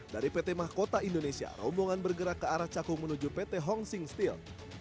dari pt mahkota indonesia rombongan bergerak ke arah cakung menuju pt hong sing steel